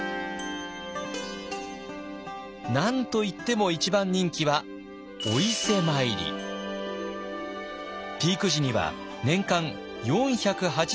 何といっても一番人気はピーク時には年間４８０万人以上。